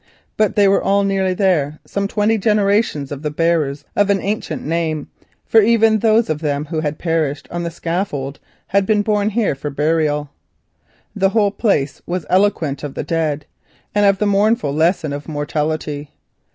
But they were nearly all there, nearly twenty generations of the bearers of an ancient name, for even those of them who perished on the scaffold had been borne here for burial. The place was eloquent of the dead and of the mournful lesson of mortality.